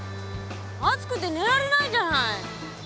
暑くて寝られないじゃない！